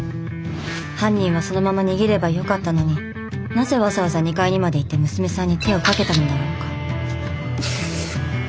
犯人はそのまま逃げればよかったのになぜわざわざ２階にまで行って娘さんに手をかけたのだろうか。